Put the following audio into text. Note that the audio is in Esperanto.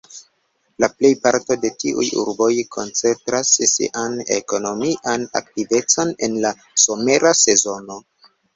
La plej parto de tiuj urboj koncentras sian ekonomian aktivecon en la somera sezono.